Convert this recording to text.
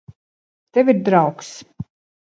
Tev ir draugs.